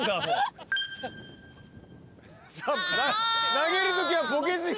投げるときはボケずに。